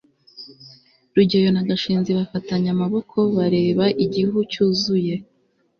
rugeyo na gashinzi bafatanye amaboko bareba igihu cyuzuye